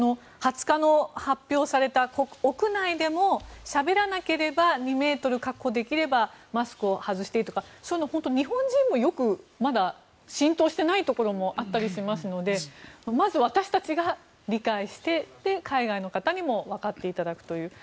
２０日に発表された屋内でもしゃべらなければ２ｍ確保できればマスクを外していいとかそういうのは日本人もまだ浸透してないところもあると思いますのでまず私たちが理解して海外の方にもわかっていただくという。